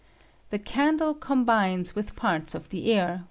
Thecandlecombines with parts of the air, form*